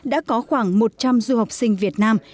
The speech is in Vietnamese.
đã có khoảng một trăm linh du học sinh việt nam